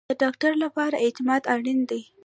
د ډاکټر لپاره اعتماد اړین دی